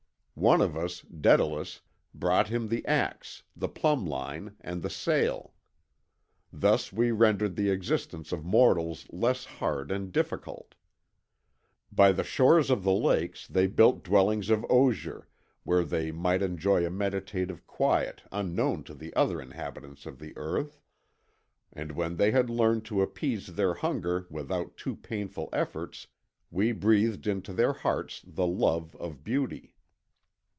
One of us, Dædalus, brought him the axe, the plumb line, and the sail. Thus we rendered the existence of mortals less hard and difficult. By the shores of the lakes they built dwellings of osier, where they might enjoy a meditative quiet unknown to the other inhabitants of the earth, and when they had learned to appease their hunger without too painful efforts we breathed into their hearts the love of beauty.